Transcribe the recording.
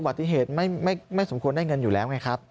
คือถ้าเป็นอุบัติเหตุไม่สมควรได้เงินอยู่แล้วไงครับ